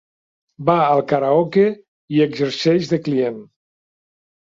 Va al karaoke i hi exerceix de client.